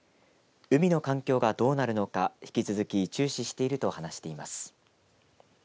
海の環境がどうなるのか引き続き注視していると話しています。